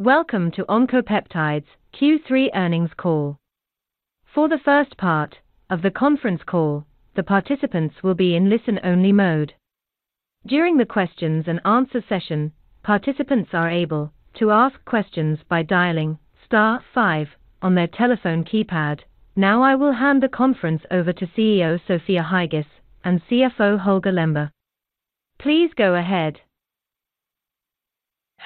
Welcome to Oncopeptides Q3 earnings call. For the first part of the conference call, the participants will be in listen-only mode. During the questions and answer session, participants are able to ask questions by dialing star five on their telephone keypad. Now, I will hand the conference over to CEO, Sofia Heigis, and CFO, Holger Lembrér. Please go ahead.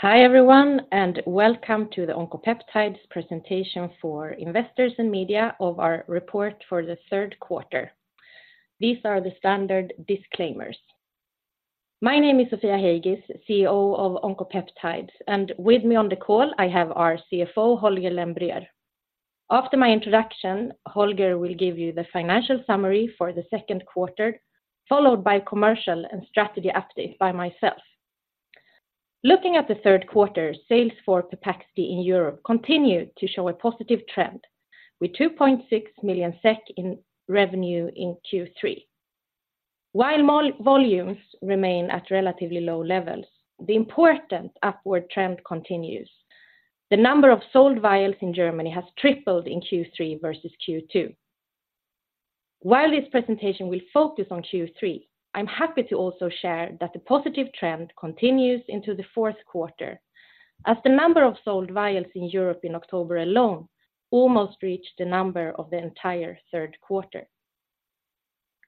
Hi, everyone, and welcome to the Oncopeptides presentation for investors and media of our report for the third quarter. These are the standard disclaimers. My name is Sofia Heigis, CEO of Oncopeptides, and with me on the call, I have our CFO, Holger Lembrér. After my introduction, Holger will give you the financial summary for the second quarter, followed by commercial and strategy update by myself. Looking at the third quarter, sales for Pepaxti in Europe continued to show a positive trend, with 2.6 million SEK in revenue in Q3. While more volumes remain at relatively low levels, the important upward trend continues. The number of sold vials in Germany has tripled in Q3 versus Q2. While this presentation will focus on Q3, I'm happy to also share that the positive trend continues into the fourth quarter. As the number of sold vials in Europe in October alone almost reached the number of the entire third quarter.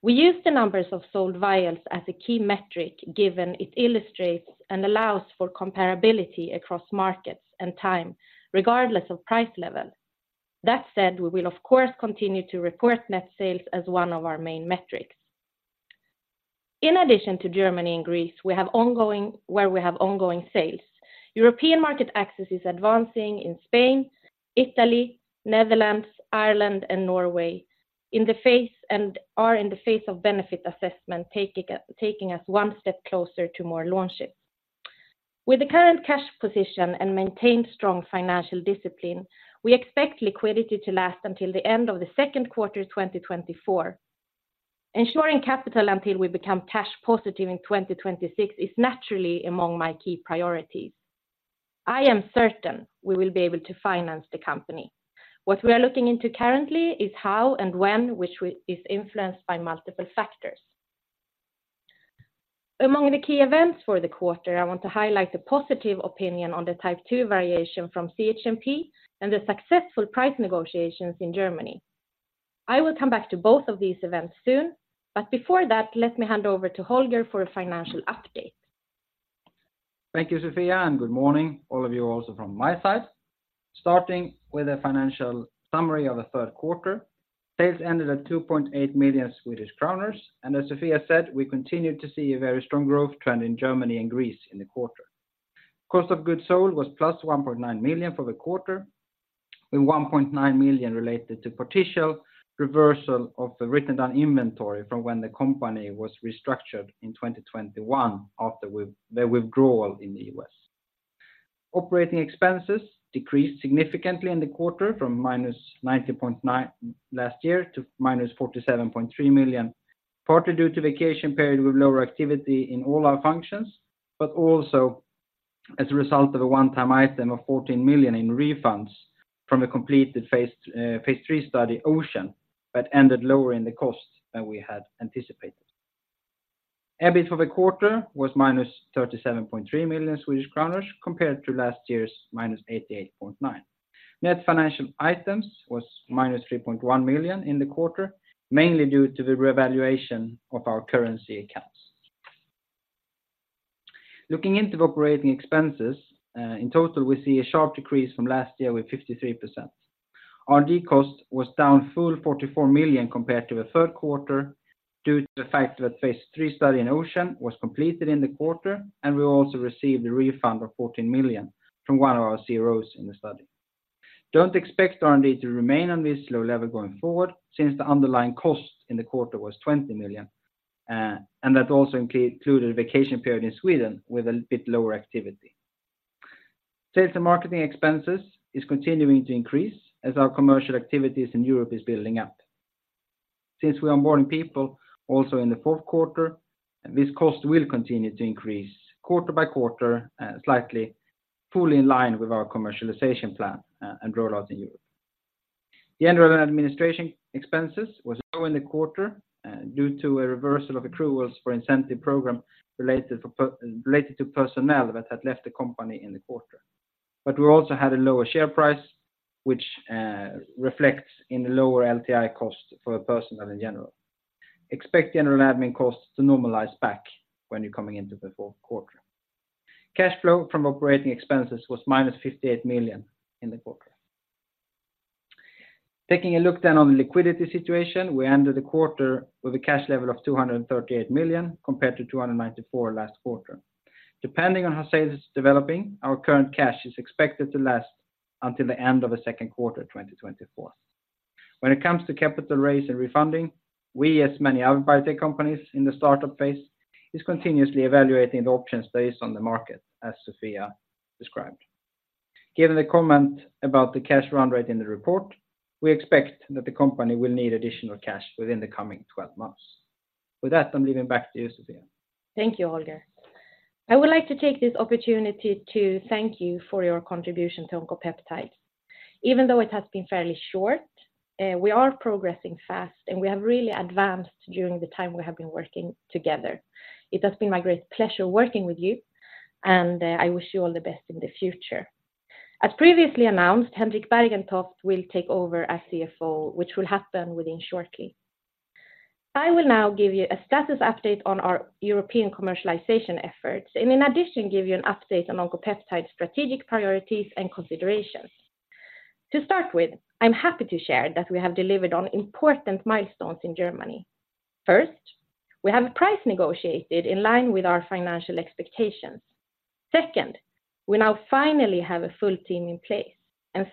We use the numbers of sold vials as a key metric, given it illustrates and allows for comparability across markets and time, regardless of price level. That said, we will, of course, continue to report net sales as one of our main metrics. In addition to Germany and Greece, where we have ongoing sales, European market access is advancing in Spain, Italy, Netherlands, Ireland, and Norway, in the face of benefit assessment, taking us one step closer to more launches. With the current cash position and maintained strong financial discipline, we expect liquidity to last until the end of the second quarter, 2024. Ensuring capital until we become cash positive in 2026 is naturally among my key priorities. I am certain we will be able to finance the company. What we are looking into currently is how and when, which is influenced by multiple factors. Among the key events for the quarter, I want to highlight a positive opinion on the Type II variation from CHMP and the successful price negotiations in Germany. I will come back to both of these events soon, but before that, let me hand over to Holger for a financial update. Thank you, Sofia, and good morning, all of you, also from my side. Starting with a financial summary of the third quarter, sales ended at 2.8 million Swedish kronor, and as Sofia said, we continued to see a very strong growth trend in Germany and Greece in the quarter. Cost of goods sold was plus 1.9 million for the quarter, with 1.9 million related to potential reversal of the written down inventory from when the company was restructured in 2021 after the withdrawal in the US. Operating expenses decreased significantly in the quarter from -90.9 million last year to -47.3 million, partly due to vacation period with lower activity in all our functions, but also as a result of a one-time item of 14 million in refunds from a completed phase three study, OCEAN, but ended lower in the cost than we had anticipated. EBIT for the quarter was -37.3 million Swedish kronor, compared to last year's -88.9 million. Net financial items was -3.1 million in the quarter, mainly due to the revaluation of our currency accounts. Looking into operating expenses, in total, we see a sharp decrease from last year with 53%. R&D cost was down full 44 million compared to the third quarter due to the fact that phase 3 study in OCEAN was completed in the quarter, and we also received a refund of 14 million from one of our CROs in the study. Don't expect R&D to remain on this low level going forward since the underlying cost in the quarter was 20 million, and that also included vacation period in Sweden with a bit lower activity. Sales and marketing expenses is continuing to increase as our commercial activities in Europe is building up. Since we are onboarding people also in the fourth quarter, this cost will continue to increase quarter by quarter, slightly, fully in line with our commercialization plan, and rollout in Europe. The general administration expenses was low in the quarter, due to a reversal of accruals for incentive program related to personnel that had left the company in the quarter. But we also had a lower share price, which reflects in the lower LTI cost for the personnel in general. Expect general admin costs to normalize back when you're coming into the fourth quarter. Cash flow from operating expenses was minus 58 million in the quarter. Taking a look then on the liquidity situation, we ended the quarter with a cash level of 238 million, compared to 294 million last quarter. Depending on how sales is developing, our current cash is expected to last until the end of the second quarter, 2024. When it comes to capital raise and refunding, we, as many other biotech companies in the startup phase, is continuously evaluating the options based on the market, as Sofia described. Given the comment about the cash run rate in the report, we expect that the company will need additional cash within the coming 12 months. With that, I'm giving back to you, Sofia. Thank you, Holger. I would like to take this opportunity to thank you for your contribution to Oncopeptides. Even though it has been fairly short, we are progressing fast, and we have really advanced during the time we have been working together. It has been my great pleasure working with you, and I wish you all the best in the future. As previously announced, Henrik Bergentoft will take over as CFO, which will happen within shortly. I will now give you a status update on our European commercialization efforts, and in addition, give you an update on Oncopeptides' strategic priorities and considerations. To start with, I'm happy to share that we have delivered on important milestones in Germany. First, we have a price negotiated in line with our financial expectations. Second, we now finally have a full team in place.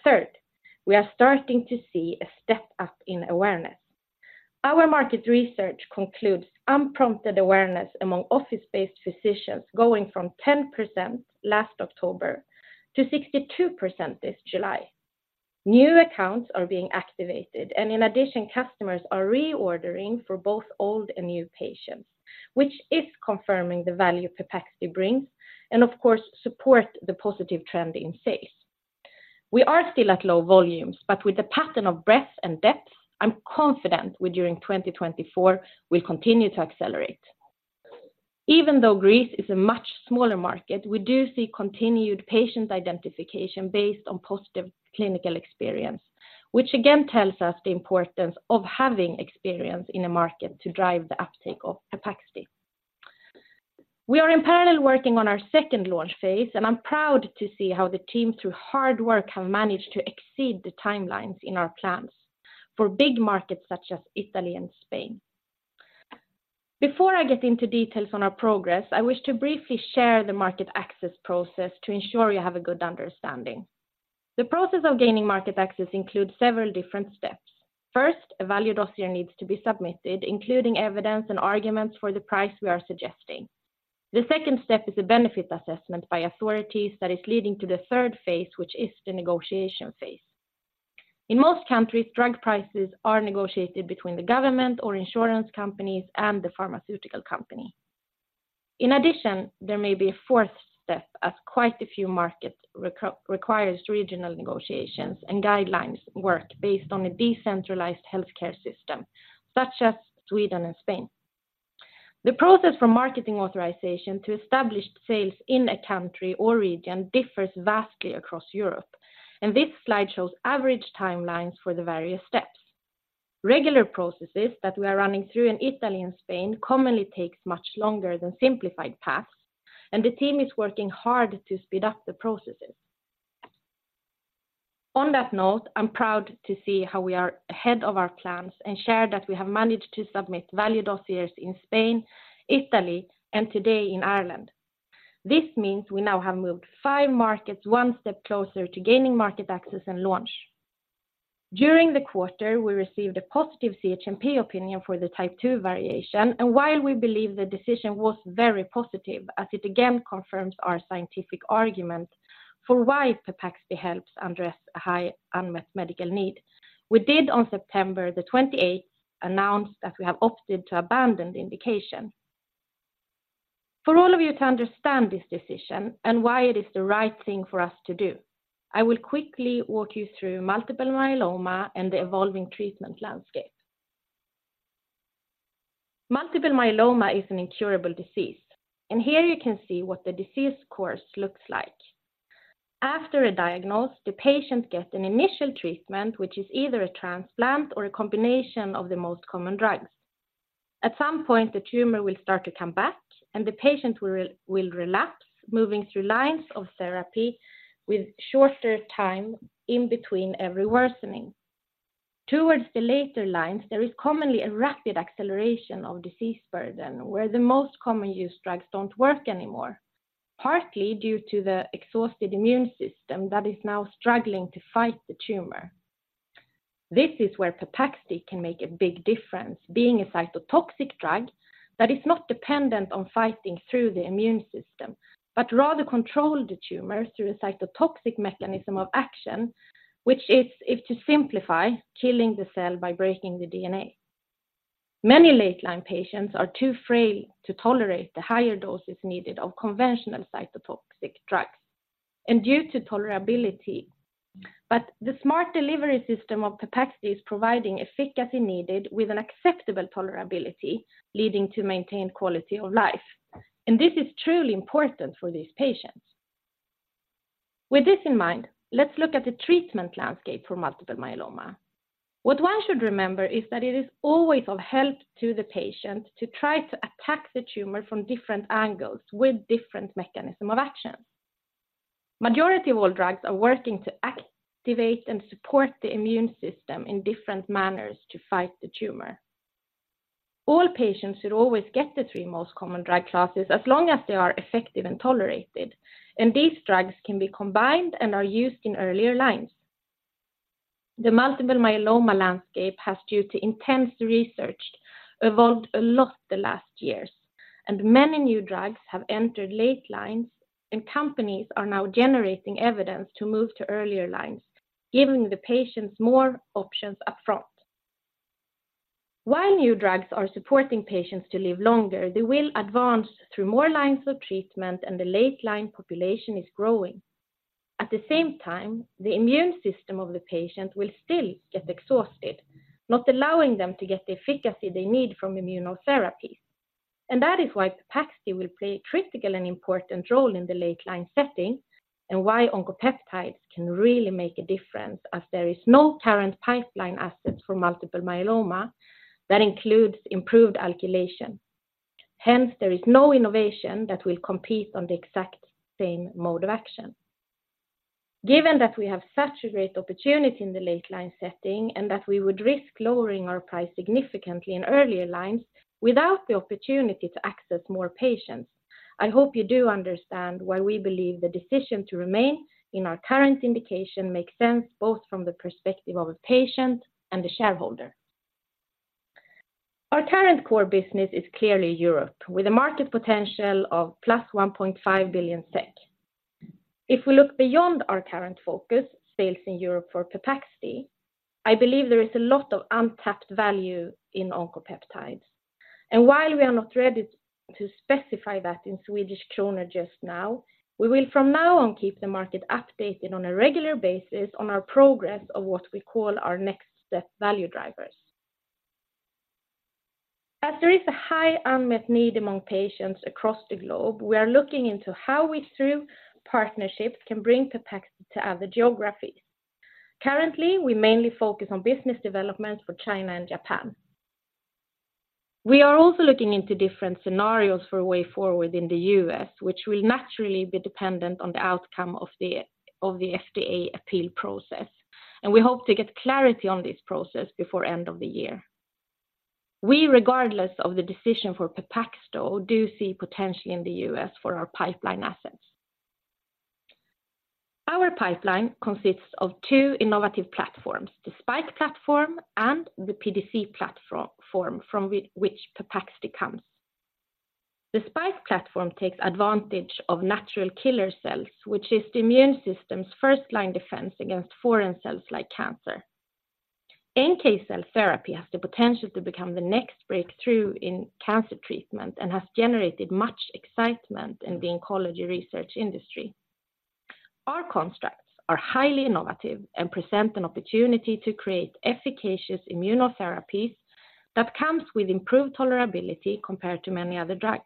Third, we are starting to see a step up in awareness. Our market research concludes unprompted awareness among office-based physicians going from 10% last October to 62% this July. New accounts are being activated, and in addition, customers are reordering for both old and new patients, which is confirming the value Pepaxti brings, and of course, support the positive trend in sales. We are still at low volumes, but with the pattern of breadth and depth, I'm confident we, during 2024, will continue to accelerate. Even though Greece is a much smaller market, we do see continued patient identification based on positive clinical experience, which again tells us the importance of having experience in a market to drive the uptake of Pepaxti. We are in parallel working on our second launch phase, and I'm proud to see how the team, through hard work, have managed to exceed the timelines in our plans for big markets such as Italy and Spain. Before I get into details on our progress, I wish to briefly share the market access process to ensure you have a good understanding. The process of gaining market access includes several different steps. First, a value dossier needs to be submitted, including evidence and arguments for the price we are suggesting. The second step is a benefit assessment by authorities that is leading to the third phase, which is the negotiation phase. In most countries, drug prices are negotiated between the government or insurance companies and the pharmaceutical company. In addition, there may be a fourth step, as quite a few markets require regional negotiations and guidelines work based on a decentralized healthcare system, such as Sweden and Spain. The process for marketing authorization to establish sales in a country or region differs vastly across Europe, and this slide shows average timelines for the various steps. Regular processes that we are running through in Italy and Spain commonly take much longer than simplified paths, and the team is working hard to speed up the processes. On that note, I'm proud to see how we are ahead of our plans and share that we have managed to submit value dossiers in Spain, Italy, and today in Ireland. This means we now have moved five markets one step closer to gaining market access and launch. During the quarter, we received a positive CHMP opinion for the type II variation, and while we believe the decision was very positive, as it again confirms our scientific argument for why Pepaxti helps address a high unmet medical need, we did, on September the twenty-eighth, announce that we have opted to abandon the indication. For all of you to understand this decision and why it is the right thing for us to do, I will quickly walk you through multiple myeloma and the evolving treatment landscape. Multiple myeloma is an incurable disease, and here you can see what the disease course looks like. After a diagnosis, the patient gets an initial treatment, which is either a transplant or a combination of the most common drugs. At some point, the tumor will start to come back, and the patient will relapse, moving through lines of therapy with shorter time in between every worsening. Towards the later lines, there is commonly a rapid acceleration of disease burden, where the most commonly used drugs don't work anymore, partly due to the exhausted immune system that is now struggling to fight the tumor. This is where Pepaxti can make a big difference, being a cytotoxic drug that is not dependent on fighting through the immune system, but rather control the tumor through a cytotoxic mechanism of action, which is to simplify killing the cell by breaking the DNA. Many late-line patients are too frail to tolerate the higher doses needed of conventional cytotoxic drugs and due to tolerability, but the smart delivery system of Pepaxti is providing efficacy needed with an acceptable tolerability, leading to maintained quality of life, and this is truly important for these patients. With this in mind, let's look at the treatment landscape for multiple myeloma. What one should remember is that it is always of help to the patient to try to attack the tumor from different angles with different mechanism of actions. Majority of all drugs are working to activate and support the immune system in different manners to fight the tumor. All patients should always get the three most common drug classes as long as they are effective and tolerated, and these drugs can be combined and are used in earlier lines. The multiple myeloma landscape has, due to intense research, evolved a lot the last years.... and many new drugs have entered late lines, and companies are now generating evidence to move to earlier lines, giving the patients more options upfront. While new drugs are supporting patients to live longer, they will advance through more lines of treatment, and the late line population is growing. At the same time, the immune system of the patient will still get exhausted, not allowing them to get the efficacy they need from immunotherapies. That is why Pepaxti will play a critical and important role in the late line setting and why Oncopeptides can really make a difference, as there is no current pipeline assets for multiple myeloma that includes improved alkylation. Hence, there is no innovation that will compete on the exact same mode of action. Given that we have such a great opportunity in the late line setting and that we would risk lowering our price significantly in earlier lines without the opportunity to access more patients, I hope you do understand why we believe the decision to remain in our current indication makes sense, both from the perspective of a patient and the shareholder. Our current core business is clearly Europe, with a market potential of plus 1.5 billion SEK. If we look beyond our current focus, sales in Europe for Pepaxti, I believe there is a lot of untapped value in Oncopeptides. And while we are not ready to specify that in Swedish kroner just now, we will from now on keep the market updated on a regular basis on our progress of what we call our next step value drivers. As there is a high unmet need among patients across the globe, we are looking into how we, through partnerships, can bring Pepaxti to other geographies. Currently, we mainly focus on business development for China and Japan. We are also looking into different scenarios for a way forward in the U.S., which will naturally be dependent on the outcome of the FDA appeal process, and we hope to get clarity on this process before end of the year. We, regardless of the decision for Pepaxti, do see potential in the U.S. for our pipeline assets. Our pipeline consists of two innovative platforms, the SPiKE platform and the PDC platform, from which Pepaxti comes. The SPiKE platform takes advantage of natural killer cells, which is the immune system's first-line defense against foreign cells like cancer. NK cell therapy has the potential to become the next breakthrough in cancer treatment and has generated much excitement in the oncology research industry. Our constructs are highly innovative and present an opportunity to create efficacious immunotherapies that comes with improved tolerability compared to many other drugs,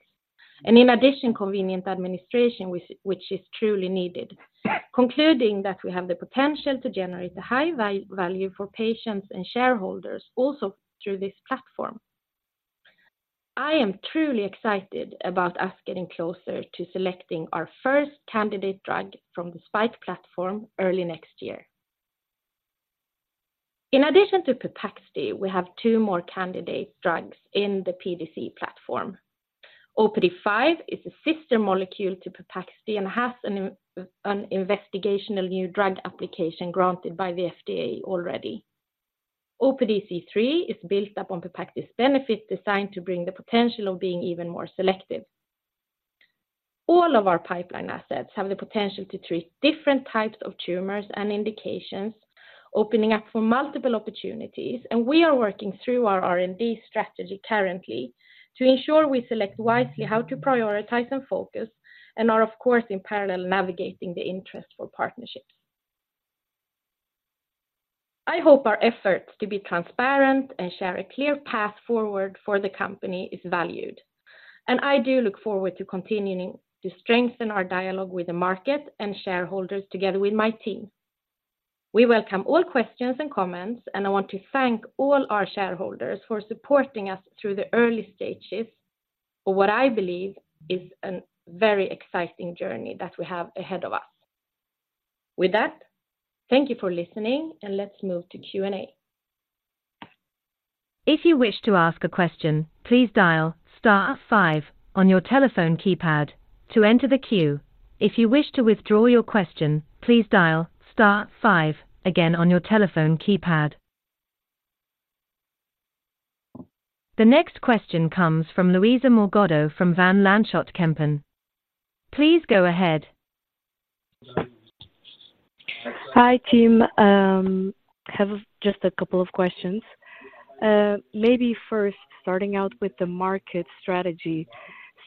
and in addition, convenient administration, which is truly needed. Concluding that we have the potential to generate a high value for patients and shareholders also through this platform. I am truly excited about us getting closer to selecting our first candidate drug from the SPiKE platform early next year. In addition to Pepaxti, we have two more candidate drugs in the PDC platform. OPDC-5 is a sister molecule to Pepaxti and has an investigational new drug application granted by the FDA already. OPDC-3 is built up on Pepaxti's benefit, designed to bring the potential of being even more selective. All of our pipeline assets have the potential to treat different types of tumors and indications, opening up for multiple opportunities, and we are working through our R&D strategy currently to ensure we select wisely how to prioritize and focus, and are, of course, in parallel, navigating the interest for partnerships. I hope our efforts to be transparent and share a clear path forward for the company is valued, and I do look forward to continuing to strengthen our dialogue with the market and shareholders together with my team. We welcome all questions and comments, and I want to thank all our shareholders for supporting us through the early stages of what I believe is a very exciting journey that we have ahead of us. With that, thank you for listening, and let's move to Q&A. If you wish to ask a question, please dial star five on your telephone keypad to enter the queue. If you wish to withdraw your question, please dial star five again on your telephone keypad. The next question comes from Luisa Morgado from Van Lanschot Kempen. Please go ahead. Hi, team. I have just a couple of questions. Maybe first starting out with the market strategy.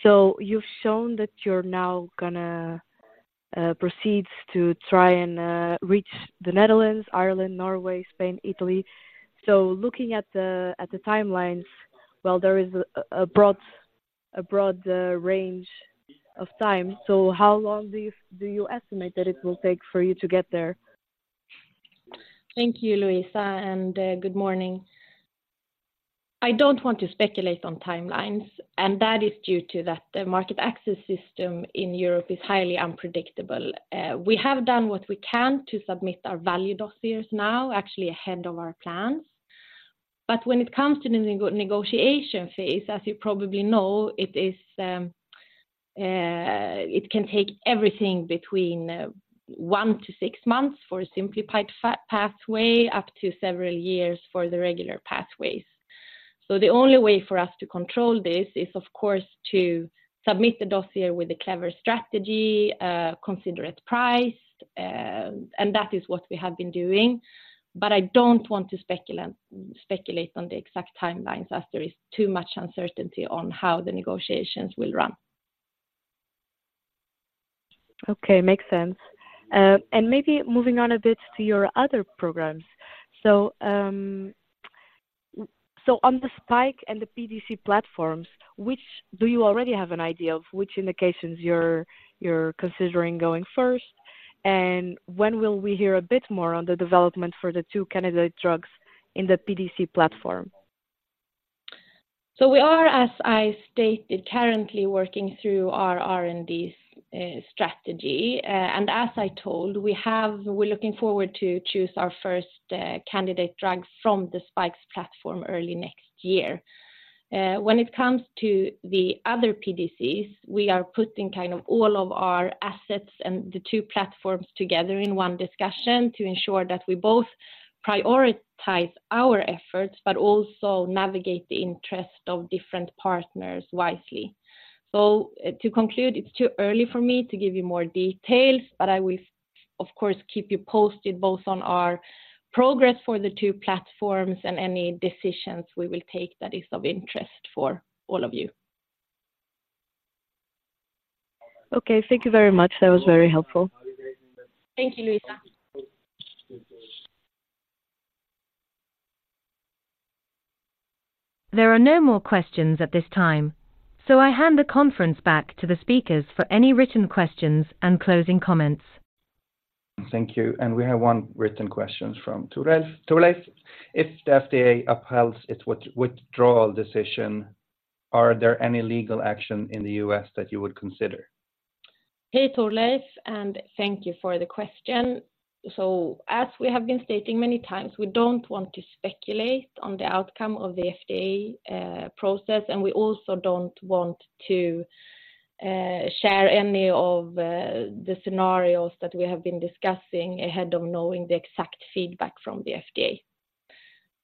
So you've shown that you're now going to proceed to try and reach the Netherlands, Ireland, Norway, Spain, Italy. So looking at the timelines, well, there is a broad range of time. So how long do you estimate that it will take for you to get there? Thank you, Louisa, and good morning. I don't want to speculate on timelines, and that is due to that the market access system in Europe is highly unpredictable. We have done what we can to submit our value dossiers now, actually ahead of our plans. But when it comes to the negotiation phase, as you probably know, it can take everything between 1-6 months for a simplified pathway, up to several years for the regular pathways. So the only way for us to control this is, of course, to submit the dossier with a clever strategy, considerate price, and that is what we have been doing. But I don't want to speculate on the exact timelines, as there is too much uncertainty on how the negotiations will run. Okay, makes sense. And maybe moving on a bit to your other programs. So, on the Spike and the PDC platforms, which do you already have an idea of which indications you're considering going first? And when will we hear a bit more on the development for the two candidate drugs in the PDC platform? So we are, as I stated, currently working through our R&D strategy. As I told, we're looking forward to choose our first candidate drug from the SPiKE platform early next year. When it comes to the other PDCs, we are putting kind of all of our assets and the two platforms together in one discussion to ensure that we both prioritize our efforts, but also navigate the interest of different partners wisely. So to conclude, it's too early for me to give you more details, but I will, of course, keep you posted both on our progress for the two platforms and any decisions we will take that is of interest for all of you. Okay, thank you very much. That was very helpful. Thank you, Luisa. There are no more questions at this time, so I hand the conference back to the speakers for any written questions and closing comments. Thank you. We have one written question from Torleif. Torleif, if the FDA upholds its withdrawal decision, are there any legal action in the US that you would consider? Hey, Torleif, and thank you for the question. So as we have been stating many times, we don't want to speculate on the outcome of the FDA process, and we also don't want to share any of the scenarios that we have been discussing ahead of knowing the exact feedback from the FDA.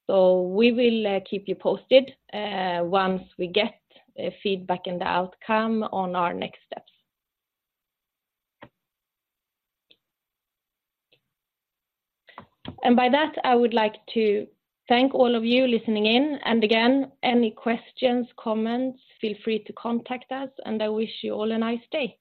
So we will keep you posted once we get a feedback and the outcome on our next steps. And by that, I would like to thank all of you listening in, and again, any questions, comments, feel free to contact us, and I wish you all a nice day.